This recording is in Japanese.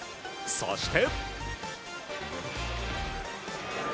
そして。